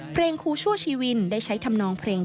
เพลงครูชั่วชีวิตได้ใช้ทำนองเพลง